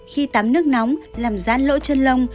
khi tắm nước nóng làm rát lỗ chân lông